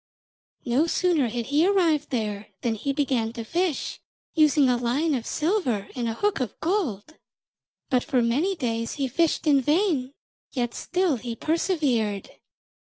No sooner had he arrived there than he began to fish, using a line of silver and a hook of gold. But for many days he fished in vain, yet still he persevered.